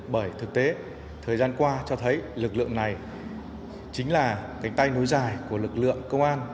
bởi thực tế thời gian qua cho thấy lực lượng này chính là cánh tay nối dài của lực lượng công an